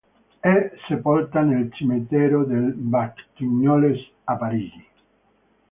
È sepolta nel Cimitero dei Batignolles, a Parigi.